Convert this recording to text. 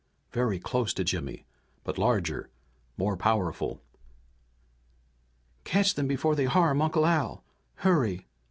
Very close to Jimmy, but larger, more powerful. "Catch them before they harm Uncle Al! Hurry!